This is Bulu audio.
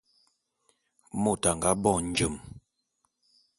Môt a nga bo njem.